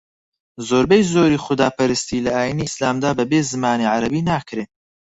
زۆربەی زۆری خوداپەرستی لە ئاینی ئیسلامدا بەبێ زمانی عەرەبی ناکرێ